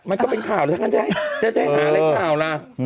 มันก็เป็นข่าวแล้วกันจะให้หาอะไรข่าวล่ะ